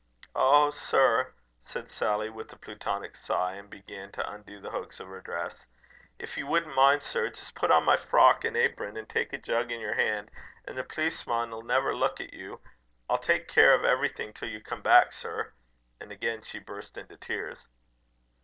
"Ooh! sir," said Sally, with a Plutonic sigh, and began to undo the hooks of her dress; "if you wouldn't mind, sir, just put on my frock and apron, and take a jug in your hand, an' the pleaceman'll never look at you. I'll take care of everything till you come back, sir." And again she burst into tears.